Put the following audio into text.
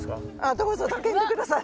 どうぞ叫んでください。